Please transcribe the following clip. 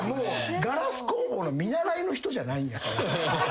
ガラス工房の見習いの人じゃないんやから。